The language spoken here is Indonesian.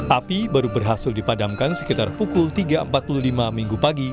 api baru berhasil dipadamkan sekitar pukul tiga empat puluh lima minggu pagi